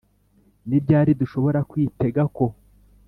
Ni ryari dushobora kwitega ko